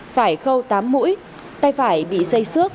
phải khâu tám mũi tay phải bị xây xước